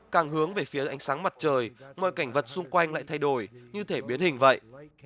càng hướng về phía ánh sáng mặt trời mọi cảnh vật xung quanh lại thay đổi như thể biến hình vậy